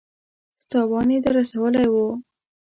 څه تاوان يې در رسولی و.